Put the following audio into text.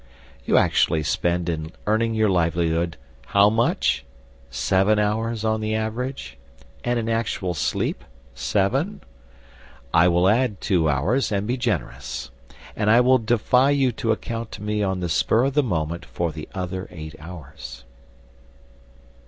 You actually spend in earning your livelihood how much? Seven hours, on the average? And in actual sleep, seven? I will add two hours, and be generous. And I will defy you to account to me on the spur of the moment for the other eight hours.